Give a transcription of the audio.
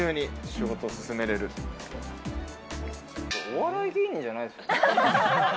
お笑い芸人じゃないですか？